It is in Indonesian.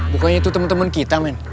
bukannya itu temen temen kita men